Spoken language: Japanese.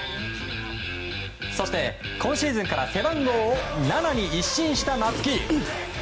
そして今シーズンから背番号を７に一新した松木。